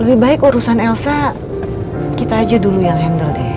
lebih baik urusan elsa kita aja dulu yang handle deh